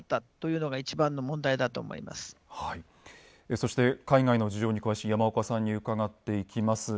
そして海外の事情に詳しい山岡さんに伺っていきます。